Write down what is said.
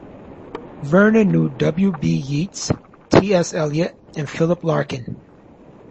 Vernon knew W. B. Yeats, T. S. Eliot and Philip Larkin.